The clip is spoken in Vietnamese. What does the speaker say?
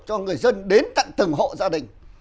cho người dân đến tận từng hộ gia đình